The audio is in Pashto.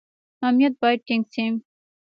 امنیت باید ټینګ شي